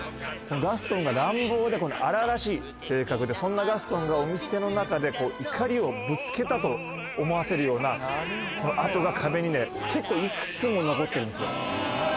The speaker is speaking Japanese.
ガストンが乱暴で荒々しい性格でそんなガストンがお店の中で怒りをぶつけたと思わせるような跡が壁に結構いくつも残ってるんですよ。